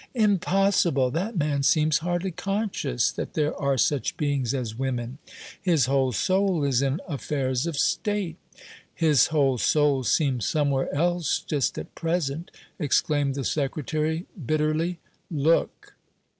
"Impossible! That man seems hardly conscious that there are such beings as women. His whole soul is in affairs of state." "His whole soul seems somewhere else just at present," exclaimed the Secretary, bitterly. "Look!"